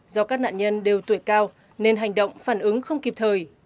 do các nạn nhân đều tuổi cao nên hành động phản ứng không kịp thời